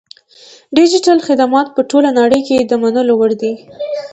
ډیجیټل خدمات په ټوله نړۍ کې د منلو وړ دي.